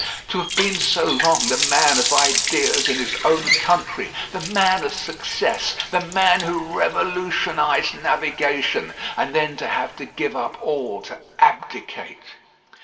To have been so long the man of ideas in his own country, the man of success, the man who revolutionised navigation; and then to have to give up all, to abdicate!